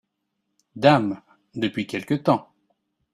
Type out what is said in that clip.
Dame ! depuis quelque temps !…